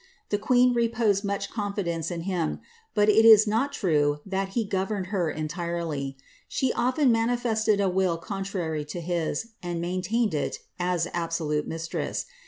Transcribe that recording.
The queen reposed much confidence in him ; but it is not true that he governed her entirely. She often manifested a will contrary to his, and maintained it, as absolute mistress.